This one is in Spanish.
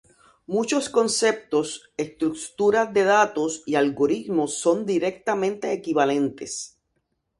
Muchos conceptos, estructuras de datos y algoritmos son directamente equivalentes.